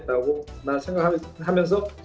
dan bisa lebih baik